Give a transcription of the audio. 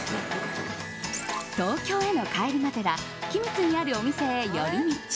東京への帰りがてら君津にあるお店へ寄り道。